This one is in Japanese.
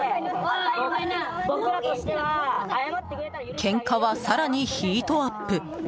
けんかは更にヒートアップ。